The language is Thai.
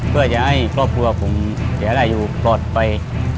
เพื่อจะให้ครอบครัวผมเสียได้อยู่ปลอดภัย